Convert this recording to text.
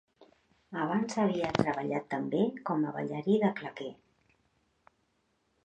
Abans havia treballat també com a ballarí de claqué.